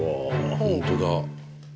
本当だ。